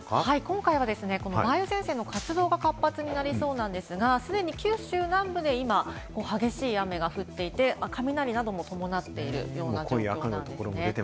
今回は梅雨前線の活動が活発になりそうなんですが、既に九州南部で今、激しい雨が降っていて、雷なども伴っているような状況です。